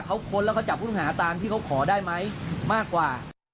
เขาค้นแล้วเขาจับผู้ต้องหาตามที่เขาขอได้ไหมมากกว่า